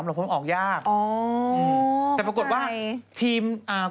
มันคงออกยากแต่ปรากฏว่าอ๋อทำไม